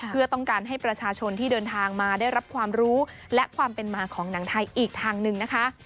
เพื่อต้องการให้ประชาชนที่เดินทางมาได้รับความรู้และความเป็นมาของหนังไทยอีกทางหนึ่งนะคะ